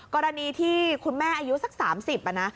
กรณีที่คุณแม่อายุสัก๓๐อะนะ